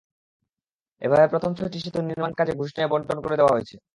এভাবে প্রথম ছয়টি সেতুর নির্মাণকাজ ঘুষ নিয়ে বণ্টন করে দেওয়া হয়েছে।